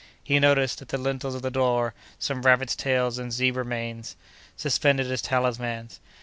He noticed, at the lintels of the door, some rabbits' tails and zebras' manes, suspended as talismans.